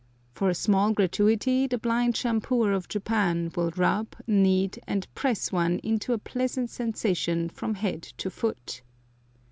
For a small gratuity the blind shampooer of Japan will rub, knead, and press one into a pleasant sensation from head to foot.